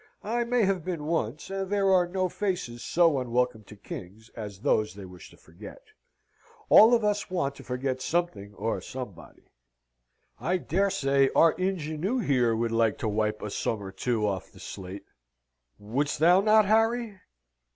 "I may have been once; and there are no faces so unwelcome to kings as those they wish to forget. All of us want to forget something or somebody. I dare say our ingenu here would like to wipe a sum or two off the slate. Wouldst thou not, Harry?"